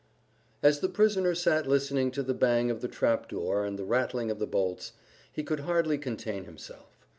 As the prisoner sat listening to the bang of the trap door and the rattling of the bolts, he could hardly contain himself.